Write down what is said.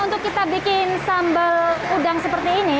untuk kita bikin sambal udang seperti ini